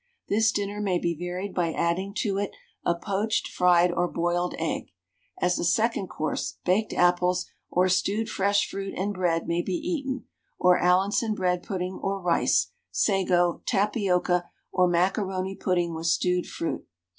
This dinner may be varied by adding to it a poached, fried, or boiled egg. As a second course, baked apples, or stewed fresh fruit and bread may be eaten; or Allinson bread pudding, or rice, sago, tapioca, or macaroni pudding with stewed fruit.